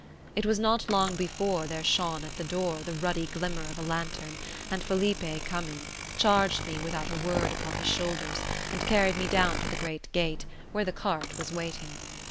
It was not long before there shone in at the door the ruddy glimmer of a lantern, and Felipe coming, charged me without a word upon his shoulders, and carried me down to the great gate, where the cart was waiting.